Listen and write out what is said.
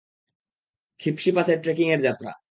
খিপশি পাসের ট্রেকিংয়ের যাত্রা।